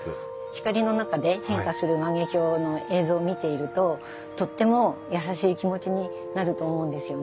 光の中で変化する万華鏡の映像を見ているととっても優しい気持ちになると思うんですよね。